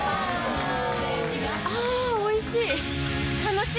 あぁおいしい！